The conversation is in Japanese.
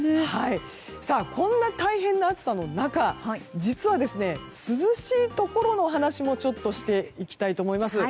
こんな大変な暑さの中実は涼しいところの話もちょっとしていきたいと思います。